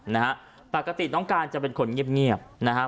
นะฮะปกติน้องการจะเป็นคนเงียบเงียบนะฮะ